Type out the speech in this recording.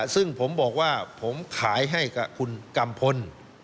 ซึ่งผมบอกว่าผมขายให้กับคุณกัมพล